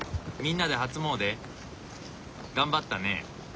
みんなで初詣？頑張ったね。